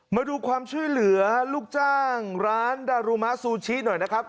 มาดูความช่วยเหลือลูกจ้างร้านดารุมะซูชิหน่อยนะครับ